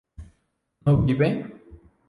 ¿no vive?